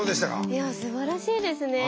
いやすばらしいですね。